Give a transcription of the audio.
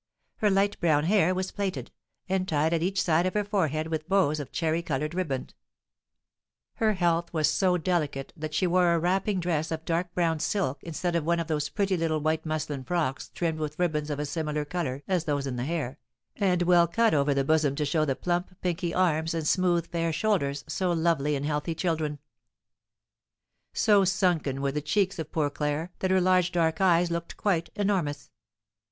Her light brown hair was plaited, and tied at each side of her forehead with bows of cherry coloured riband. Her health was so delicate that she wore a wrapping dress of dark brown silk instead of one of those pretty little white muslin frocks trimmed with ribands of a similar colour as those in the hair, and well cut over the bosom to show the plump, pinky arms, and smooth, fair shoulders, so lovely in healthy children. So sunken were the cheeks of poor Claire that her large dark eyes looked quite enormous.